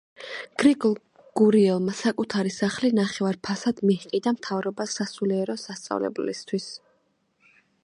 გრიგოლ გურიელმა საკუთარი სახლი, ნახევარ ფასად მიჰყიდა მთავრობას სასულიერო სასწავლებლისთვის.